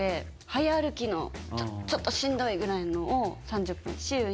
早歩きのちょっとしんどいぐらいのを。